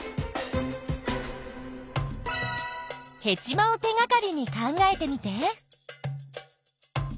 ヘチマを手がかりに考えてみて。